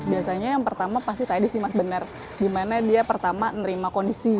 biasanya yang pertama pasti tadi sih mas benar gimana dia pertama nerima kondisi